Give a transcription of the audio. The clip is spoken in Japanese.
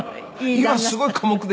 今すごい寡黙ですよ